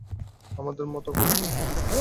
আমাদের মত কর।